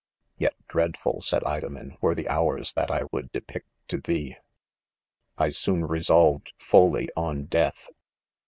4 Yet dreadful) 1 said Idomen, were the hours that I would •depict: to thee J . I soon resolved fully on death.